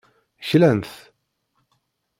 Klan-t.